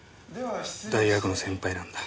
大学の先輩なんだ。